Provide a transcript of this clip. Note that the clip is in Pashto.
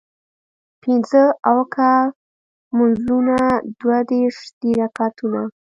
پينځۀ اوکه مونځونه دوه دېرش دي رکعتونه